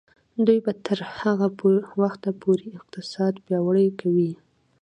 دوی به تر هغه وخته پورې اقتصاد پیاوړی کوي.